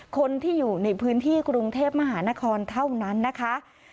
คนที่อยู่ในพื้นที่กรุงเทพมหานครเท่านั้นนะคะ